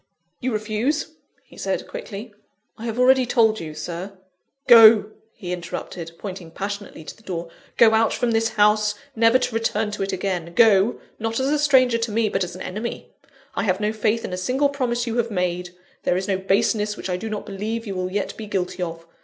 "You refuse?" he said quickly. "I have already told you, Sir " "Go!" he interrupted, pointing passionately to the door, "go out from this house, never to return to it again go, not as a stranger to me, but as an enemy! I have no faith in a single promise you have made: there is no baseness which I do not believe you will yet be guilty of.